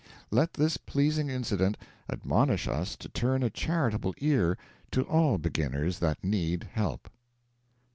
Let this pleasing incident admonish us to turn a charitable ear to all beginners that need help.